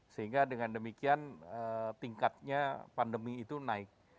sehingga dengan demikian tingkatnya pandemi itu naik